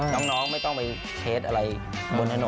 น้องไม่ต้องไปเคสอะไรบนถนน